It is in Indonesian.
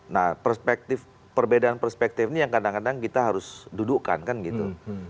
nah perspektif perbedaan perspektif ini yang kadang kadang kita harus dudukkan kan gitu